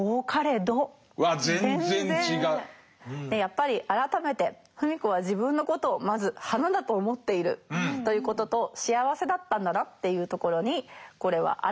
やっぱり改めて芙美子は自分のことをまず花だと思っているということと幸せだったんだなっていうところにこれは表れてると思います。